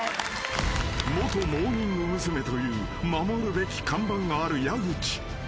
［元モーニング娘。という守るべき看板がある矢口］